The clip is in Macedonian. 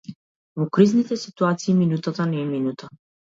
Во кризните ситуации минутата не е минута.